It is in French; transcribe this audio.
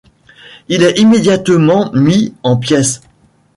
Il est immédiatement mis en pièces.